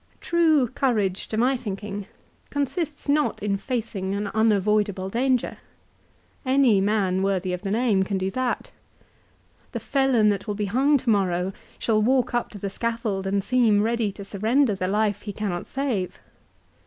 True courage to my thinking consists not in facing an unavoidable danger. Any man worthy of the name can do that. The felon that will be hung to morrow shall walk up to the scaffold and seem ready to surrender the life he cannot save.